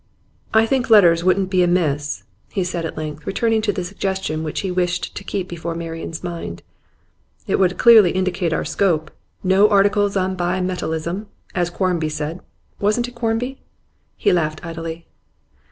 'I think Letters wouldn't be amiss,' he said at length, returning to the suggestion which he wished to keep before Marian's mind. 'It would clearly indicate our scope. No articles on bimetallism, as Quarmby said wasn't it Quarmby?' He laughed idly.